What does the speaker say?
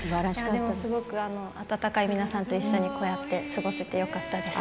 でもすごく温かい皆さんと一緒に過ごせてよかったです。